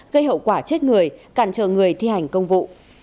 gây hậu quả chết người cản trở người thi hành công vụ